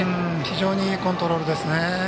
非常にいいコントロールですね。